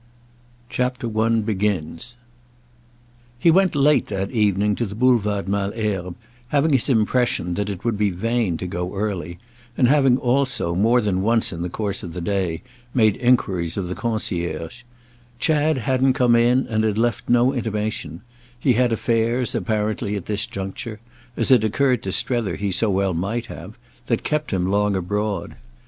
—Richard D. Hathaway, preparer of this electronic text] I He went late that evening to the Boulevard Malesherbes, having his impression that it would be vain to go early, and having also, more than once in the course of the day, made enquiries of the concierge. Chad hadn't come in and had left no intimation; he had affairs, apparently, at this juncture—as it occurred to Strether he so well might have—that kept him long abroad.